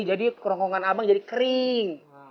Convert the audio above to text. jadi kerongkongan saya jadi kering ya